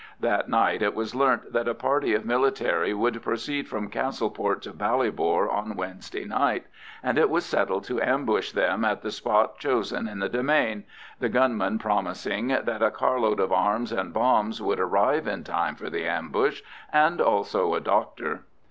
That night it was learnt that a party of military would proceed from Castleport to Ballybor on Wednesday night, and it was settled to ambush them at the spot chosen in the demesne, the gunmen promising that a carload of arms and bombs would arrive in time for the ambush, and also a doctor.